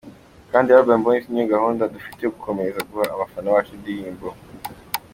kandi Urban Boyz niyo gahunda dufite yo gukomeza guha abafana bacu indirimbo.